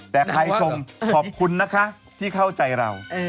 แต่ใครชมขอบคุณนะคะที่เข้าใจเรา